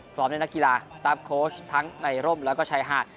พร้อมด้วยนักกีฬาสตาร์ฟโค้ชทั้งในร่มแล้วก็ชายหาด